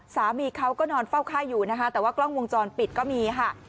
สามีเขาก็นอนเฝ้าไข้อยู่นะคะแต่ว่ากล้องวงจรปิดก็มีค่ะ